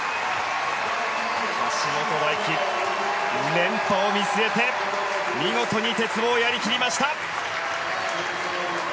橋本大輝、連覇を見据えて見事に鉄棒をやり切りました。